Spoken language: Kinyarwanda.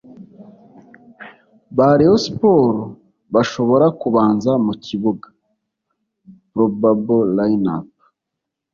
ba Rayon Sports bashobora kubanza mu kibuga (Probable Line-Up)